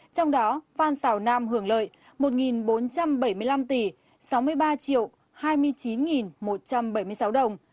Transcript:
trong đó phan xào nam hưởng lợi một bốn trăm bảy mươi năm tỷ sáu mươi ba hai mươi chín một trăm bảy mươi sáu đồng